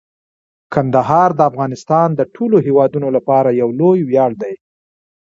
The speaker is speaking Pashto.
کندهار د افغانستان د ټولو هیوادوالو لپاره یو لوی ویاړ دی.